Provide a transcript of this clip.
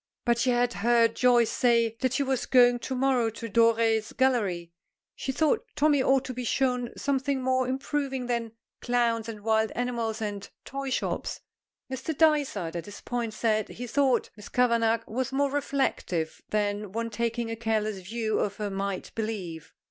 But she had heard Joyce say that she was going to morrow to Doré's Gallery. She thought Tommy ought to be shown something more improving than clowns and wild animals and toy shops. Mr. Dysart, at this point, said he thought Miss Kavanagh was more reflective than one taking a careless view of her might believe.